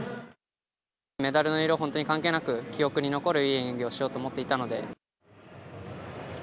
メダルの色本当に関係なく、記憶に残るいい演技をしようと思っていたので。